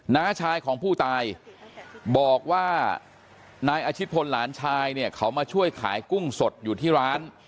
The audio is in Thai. น้าชายของผู้ตายบอกว่านายอาชิตพลหลานชายเนี่ยเขามาช่วยขายกุ้งสดอยู่ที่ร้าน